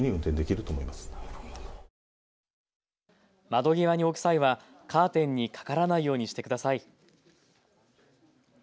窓際に置く際はカーテンにかからないようにしてください。